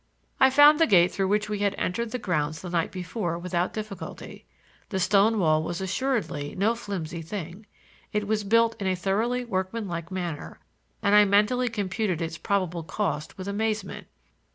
I found the gate through which we had entered the grounds the night before without difficulty. The stone wall was assuredly no flimsy thing. It was built in a thoroughly workmanlike manner, and I mentally computed its probable cost with amazement.